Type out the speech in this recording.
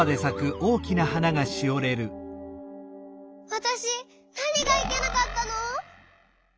わたしなにがいけなかったの！？